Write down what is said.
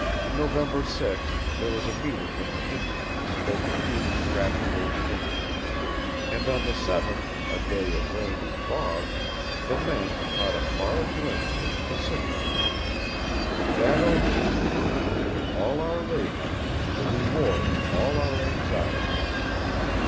November 6th there was a meeting with an Indian who spoke a few scrappy words of English; and on the 7th, a day of rain and fog, the men caught a far glimpse of the Pacific, ... "that ocean, the object of all our labors, the reward of all our anxieties.